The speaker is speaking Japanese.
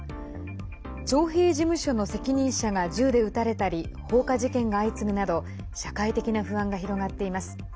徴兵事務所の責任者が銃で撃たれたり放火事件が相次ぐなど社会的な不安が広がっています。